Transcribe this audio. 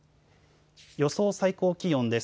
予想最高気温です。